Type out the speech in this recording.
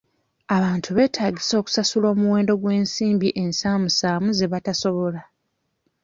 Abantu betaagisa okusasula omuwendo gw'ensimbi ensaamusaamu ze batasobola.